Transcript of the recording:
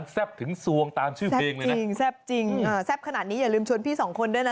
แซ่บถึงสวงเออ